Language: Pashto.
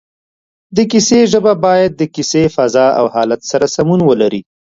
د کیسې ژبه باید د کیسې فضا او حالت سره سمون ولري